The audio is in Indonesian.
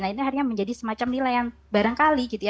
nah ini akhirnya menjadi semacam nilai yang barangkali gitu ya